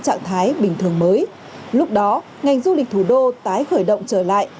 trạng thái bình thường mới lúc đó ngành du lịch thủ đô tái khởi động trở lại